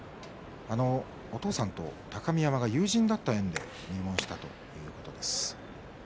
お父さんと高見山が友人だった縁で入門したということです。